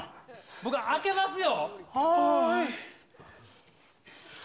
僕、開けますよ。